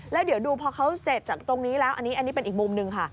แล้วเดี๋ยวดูพอเขาเสร็จจากตรงนี้แล้วอันนี้เป็นอีกมุมหนึ่งค่ะ